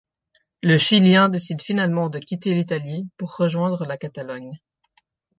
Le Chilien décide finalement de quitter l'Italie pour rejoindre la Catalogne.